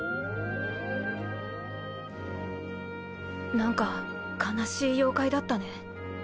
なんか悲しい妖怪だったね。